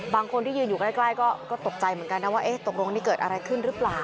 บางคนที่ยืนอยู่ใกล้ก็ตกใจเหมือนกันนะว่าตกลงนี่เกิดอะไรขึ้นหรือเปล่า